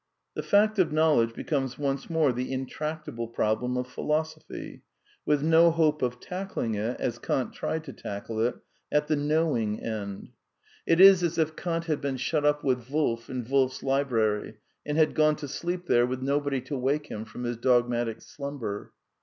The fact of Knowledge becomes once more the intract able problem of philosophy, with no hope of tackling it, as Kant tried to tackle it, at the knowing end. It is as if THE NEW REALISM 217 Kant had been shut up with Wolf in Wolf's library, and had gone to sleep there with nobody to wake him from his dogmatic slumber.